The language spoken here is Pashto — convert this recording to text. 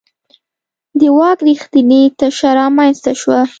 د واک رښتینې تشه رامنځته شوه.